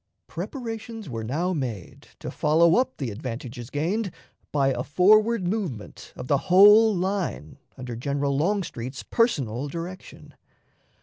Preparations were now made to follow up the advantages gained by a forward movement of the whole line under General Longstreet's personal direction.